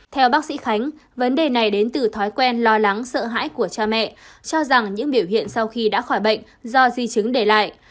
theo bác sĩ khánh vấn đề này đến từ thói quen lo lắng sợ hãi của cha mẹ cho rằng những biểu hiện sau khi đã khỏi bệnh do di chứng để lại